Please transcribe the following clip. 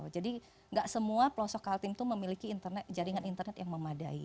jadi tidak semua pelosok kaltim itu memiliki jaringan internet yang memadai